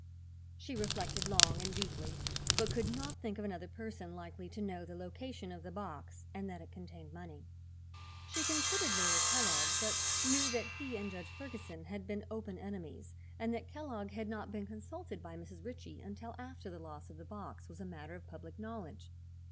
She reflected long and deeply, but could not think of another person likely to know the location of the box and that it contained money. She considered Lawyer Kellogg, but knew that he and Judge Ferguson had been open enemies and that Kellogg had not been consulted by Mrs. Ritchie until after the loss of the box was a matter of public knowledge.